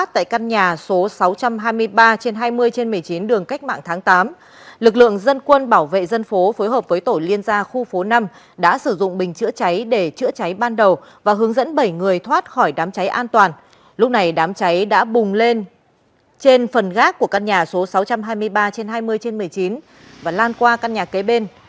trên phần gác của căn nhà số sáu trăm hai mươi ba trên hai mươi trên một mươi chín và lan qua căn nhà kế bên